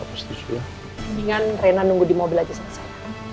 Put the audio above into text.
mendingan rena nunggu di mobil aja selesai